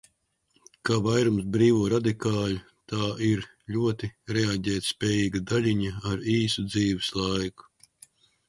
Kā vairums brīvo radikāļu, tā ir ļoti reaģētspējīga daļiņa ar īsu dzīves laiku.